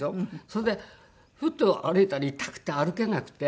それでふと歩いたら痛くて歩けなくて。